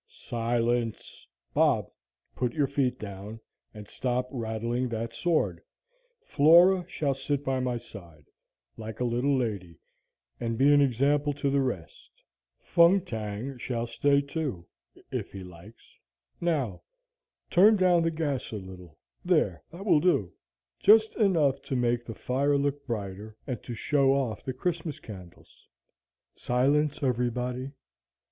"Silence! Bob, put your feet down, and stop rattling that sword. Flora shall sit by my side, like a little lady, and be an example to the rest. Fung Tang shall stay, too, if he likes. Now, turn down the gas a little; there, that will do, just enough to make the fire look brighter, and to show off the Christmas candles. Silence, everybody!